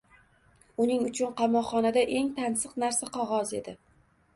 …Uning uchun qamoqxonada eng tansiq narsa qog’oz edi.